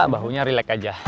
bahunya relax aja